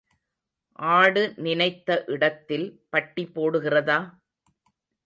ஆடு நினைத்த இடத்தில் பட்டி போடுகிறதா?